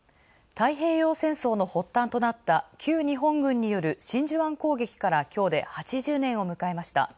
太平洋戦争の発端となった旧日本軍による真珠湾攻撃から今日で８０年を迎えました。